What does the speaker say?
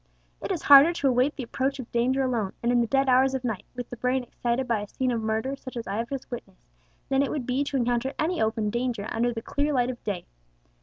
"It is harder to await the approach of danger alone, and in the dead hours of night, with the brain excited by a scene of murder such as I have just witnessed, than it would be to encounter any open danger under the clear light of day.